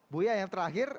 buya yang terakhir